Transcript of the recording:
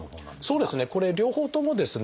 そうですね